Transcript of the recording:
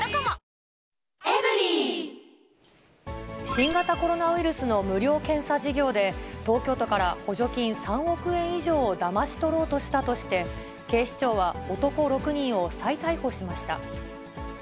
新型コロナウイルスの無料検査事業で、東京都から補助金３億円以上をだまし取ろうとしたとして、警視庁は男６人を再逮捕しました。